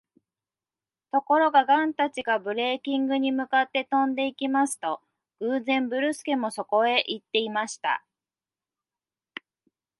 ところが、ガンたちがブレーキンゲに向かって飛んでいきますと、偶然、ズルスケもそこへいっていました。